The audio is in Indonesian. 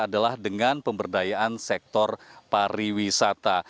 adalah dengan pemberdayaan sektor pariwisata